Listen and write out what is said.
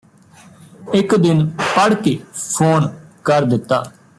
ਇਕ ਦਿਨ ਪੜ੍ਹ ਕੇ ਫੋਨ ਕਰ ਦਿੱਤਾ